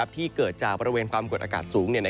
ที่เกิดจากบริเวณความกดอากาศสูง